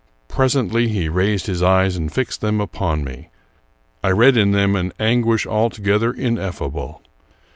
Presently he raised his eyes and fixed them upon me. I read in them an anguish altogether ineffable.